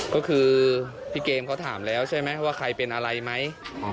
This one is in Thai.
ก็คือพี่เกมเขาถามแล้วใช่ไหมว่าใครเป็นอะไรไหม